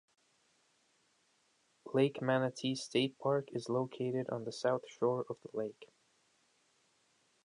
Lake Manatee State Park is located on the south shore of the lake.